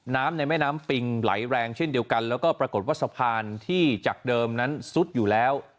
ในแม่น้ำปิงไหลแรงเช่นเดียวกันแล้วก็ปรากฏว่าสะพานที่จากเดิมนั้นซุดอยู่แล้ว